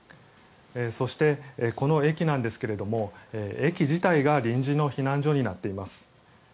そしてこの駅ですが、駅自体が臨時の避難所になっています。